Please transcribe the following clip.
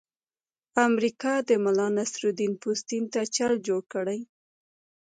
امریکا د ملانصرالدین پوستین ته چل جوړ کړی.